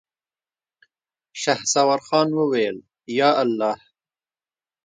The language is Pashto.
شهسوار خان وويل: ياالله.